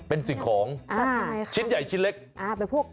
เป็นสิ่งของชิ้นใหญ่ชิ้นเล็กอ่าเป็นพวก